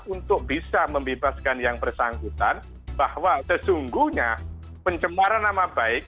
untuk bisa membebaskan yang bersangkutan bahwa sesungguhnya pencemaran nama baik